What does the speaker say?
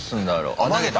あっ投げた。